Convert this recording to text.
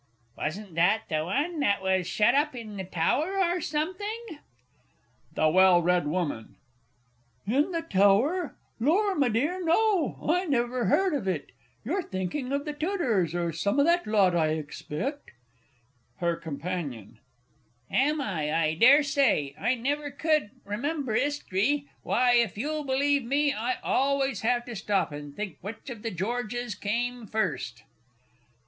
Wasn't that the one that was shut up in the Tower, or something? THE W. W. In the Tower? Lor, my dear, no, I never 'eard of it. You're thinking of the Tudors, or some o' that lot, I expect! HER COMP. Am I? I dare say. I never could remember 'Istry. Why, if you'll believe me, I always have to stop and think which of the Georges came first!